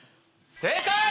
正解！